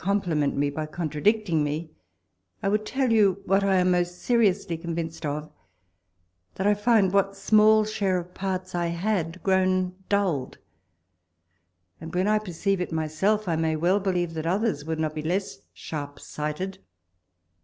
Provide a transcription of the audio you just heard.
plimcnt me, by contradicting me, I would tell you, what I am most seriously convinced of, that I find what small share of parts I had, grown dulled — and when I perceive it myself, I may well believe that others would not be less sharp sighted.